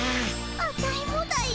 アタイもだよ。